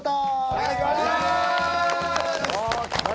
お願いします。